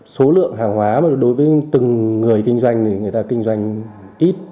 số lượng hàng hóa đối với từng người kinh doanh thì người ta kinh doanh ít